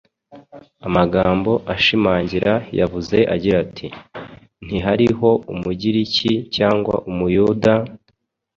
Amagambo ashimangira yavuze agira ati, “ntihariho Umugiriki cyangwa Umuyuda,